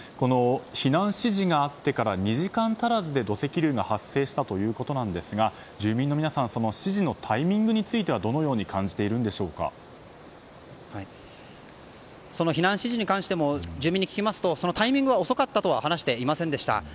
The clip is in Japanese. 避難指示があってから２時間足らずで土石流が発生したということなんですが住民の皆さん指示のタイミングについてはどのようにその避難指示に関しても住民に聞きますとそのタイミングは遅かったとは話していませんでした。